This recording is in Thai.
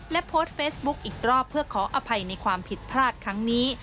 และโพสต์เฟซบุ๊คอีกรอบเพื่อขออภัยในความผิดพลาดครั้งนี้